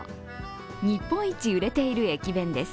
日本一売れている駅弁です。